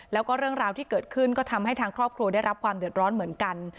แล้วก็เรื่องราวที่เกิดขึ้นก็ทำให้ทางครอบครัวได้รับความเดือดร้อนเหมือนกัน